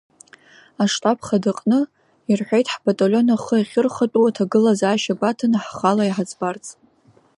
Аштаб хадаҟны ирҳәеит ҳбаталион ахы ахьырхатәу аҭагылазаашьа гәаҭаны ҳхала иҳаӡбарц.